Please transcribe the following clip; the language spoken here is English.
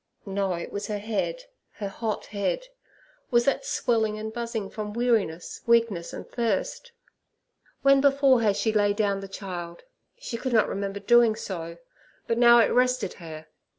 No, it was her head—her hot head—was that swelling, and buzzing from weariness, weakness, and thirst. When before had she laid down the child?—she could not remember so doing, but now it rested her.